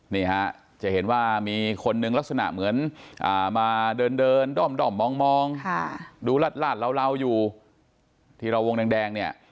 นี่ฮะจะเห็นว่ามีคนหนึ่งลักษณะเหมือนมาเดินด้อมมองดูลาดเหลาอยู่ที่เราวงแดงเนี่ย